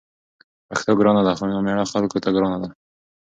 پښتو ګرانه ده؛ خو نامېړه خلکو ته ګرانه ده